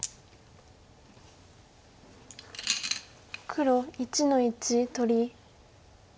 黒１の一取り。